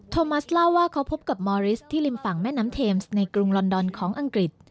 โมัสเล่าว่าเขาพบกับมอริสที่ริมฝั่งแม่น้ำเทมส์ในกรุงลอนดอนของอังกฤษ